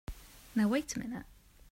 Now wait a minute!